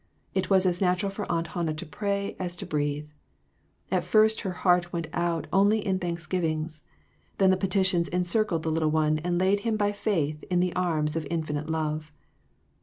It was as natural for Aunt Hannah to pray, as to breathe. At first her heart went out only in thanksgivings. Then the peti tions encircled the little one and laid him by faith in the arms of Infinite Love.